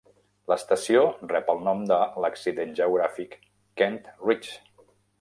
L'estació rep el nom de l'accident geogràfic, Kent Ridge.